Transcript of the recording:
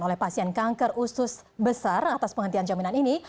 oleh pasien kanker usus besar atas penghentian jaminan ini